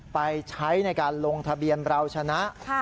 ไปใช้ในการลงทะเบียนเราชนะ